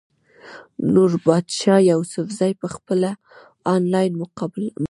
نوربادشاه يوسفزۍ پۀ خپله انلاين مقاله